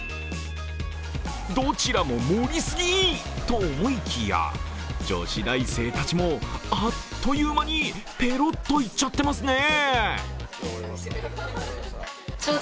どちらも盛りすぎと思いきや、女子大生たちもあっという間にペロッといっちゃってますね。